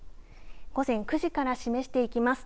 午前９時から示していきます。